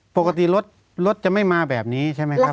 ปกติรถรถจะไม่มาแบบนี้ใช่ไหมครับ